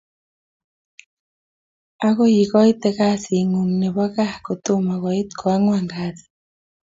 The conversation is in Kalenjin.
Akoi ikoite kasit ngung nebo gaa kotomo koit ko angwani kasiit